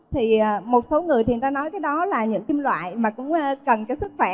thì một số người thì người ta nói cái đó là những kim loại mà cũng cần cái sức khỏe